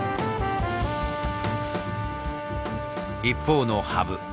一方の羽生。